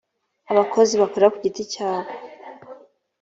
abakozi bakora kugiti cyabo.